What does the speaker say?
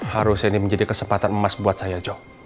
harusnya ini menjadi kesempatan emas buat saya jo